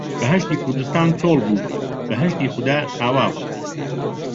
بەهەشتی کوردستان چۆڵ بوو، بەهەشتی خودا ئاوا بوو